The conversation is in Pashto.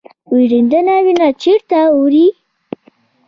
وریدونه وینه چیرته وړي؟